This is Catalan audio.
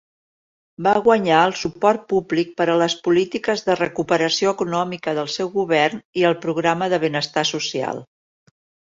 Va guanyar el suport públic per a les polítiques de recuperació econòmica del seu govern i el programa de benestar social.